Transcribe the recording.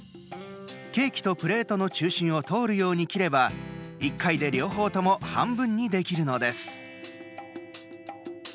ケーキとプレートの中心を通るように切れば１回で両方とも半分にできるのです。